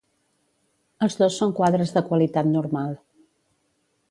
Els dos són quadres de qualitat normal.